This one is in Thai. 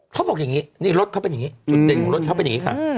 เขาบอกอย่างนี้นี่รถเขาเป็นอย่างนี้จุดเด่นของรถเขาเป็นอย่างนี้ค่ะ